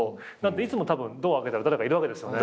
いつもドア開けたら誰かいるわけですよね。